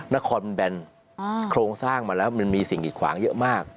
นครแบนโครงสร้างมาแล้วมันมีสิ่งกิดขวางเยอะมาก